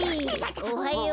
おはよう。